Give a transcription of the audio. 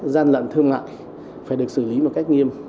gian lận thương mại phải được xử lý một cách nghiêm